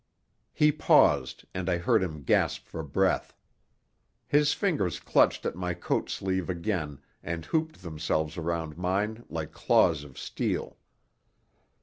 He paused, and I heard him gasp for breath. His fingers clutched at my coat sleeve again and hooped themselves round mine like claws of steel.